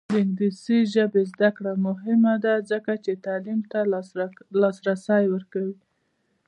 د انګلیسي ژبې زده کړه مهمه ده ځکه چې تعلیم ته لاسرسی ورکوي.